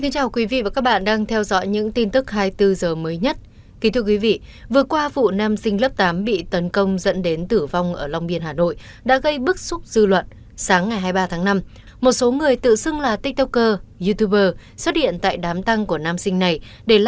các bạn hãy đăng ký kênh để ủng hộ kênh của chúng mình nhé